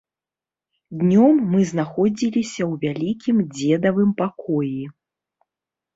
Днём мы знаходзіліся ў вялікім дзедавым пакоі.